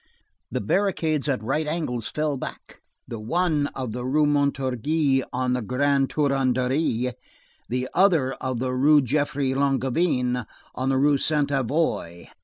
The barricades at right angles fell back, the one of the Rue Montorgueil on the Grande Truanderie, the other of the Rue Geoffroy Langevin on the Rue Sainte Avoye.